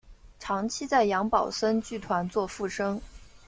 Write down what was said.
长期在杨宝森剧团做副生。